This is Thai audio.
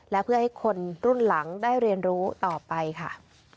และเพื่อให้คนรุ่นหลังได้เรียนรู้ต่อไปค่ะ